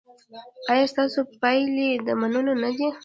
ایا ستاسو پایلې د منلو نه دي؟